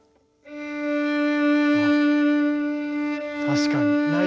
確かに。